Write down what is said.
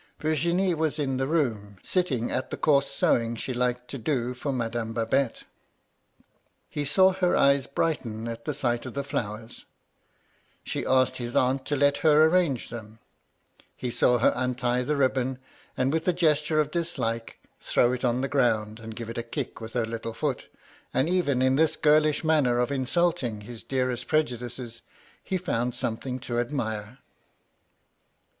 Virginie was in the room, sitting at the coarse sewing she liked to do for Madame Babette. He saw her eyes brighten at the sight of the flowers : she asked his aunt to let her arrange them ; he saw her untie the ribbon, and with a gesture of dislike, 150 MY LADY LUDLOW. throw it on the ground, and give it a kick with her little foot, and even in this girlish manner of insulting his dearest prejudices, he found something to admire.